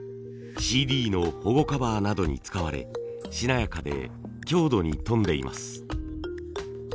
ＣＤの保護カバーなどに使われしなやかで強度に富んでいます。